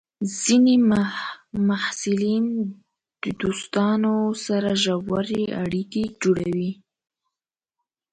ځینې محصلین د دوستانو سره ژورې اړیکې جوړوي.